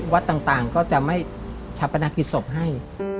วัดต่างก็จะไม่ชาปนากิจศพให้